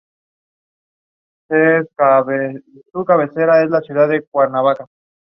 La exposición previa a la química del aprendizaje se asoció con una menor ansiedad.